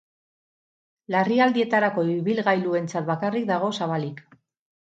Larrialdietarako ibilgailuentzat bakarrik dago zabalik.